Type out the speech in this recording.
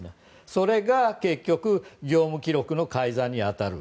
それが、結局業務記録の改ざんに当たる。